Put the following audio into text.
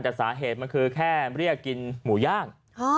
แต่สาเหตุมันคือแค่เรียกกินหมูย่าง